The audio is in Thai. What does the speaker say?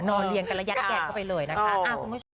นอนเรียงกันแล้วยัดแกนเข้าไปเลยนะคะ